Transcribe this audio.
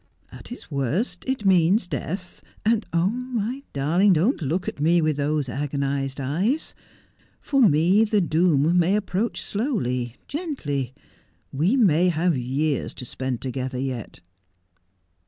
At its worst it means death, and — my darling, don't look at me with those agonized eyes — for me the doom may approach slowly, gently. We may have years to spend together yet.'